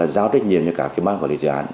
giáo trách nhiệm cho các bác quản lý dự án